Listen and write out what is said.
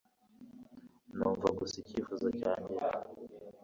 Numva gusa icyifuzo cyanjye